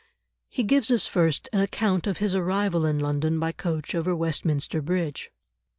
He gives us first an account of his arrival in London by coach over Westminster Bridge.